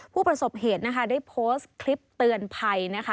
ผู้ประสบเหตุได้โพสต์คลิปเตือนภัย